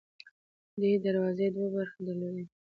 دې دروازې دوه برخې درلودې.